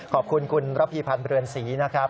ขอบคุณคุณระพีพันธ์เรือนศรีนะครับ